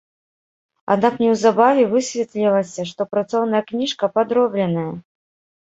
Аднак неўзабаве высветлілася, што працоўная кніжка падробленая.